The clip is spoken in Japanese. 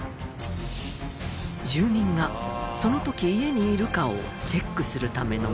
住人がその時家にいるかをチェックするためのもの。